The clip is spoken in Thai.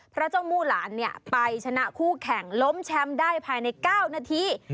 เพราะเจ้ามู่หลานไปชนะคู่แข่งล้มแชมป์ได้ภายใน๙นาที